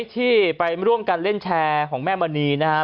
ที่ไปร่วมกันเล่นแชร์ของแม่มณีนะครับ